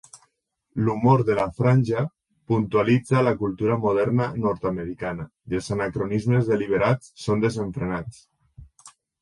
L'humor de la franja puntualitza la cultura moderna nord-americana, i els anacronismes deliberats són desenfrenats.